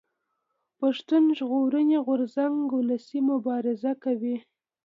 پښتون ژغورني غورځنګ اولسي مبارزه کوي